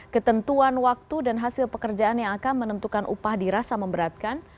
ketentuan waktu dan hasil pekerjaan yang akan menentukan upah dirasa memberatkan